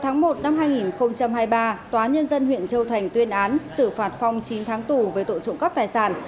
năm hai nghìn hai mươi ba tòa nhân dân huyện châu thành tuyên án xử phạt phong chín tháng tù với tội trộm cấp tài sản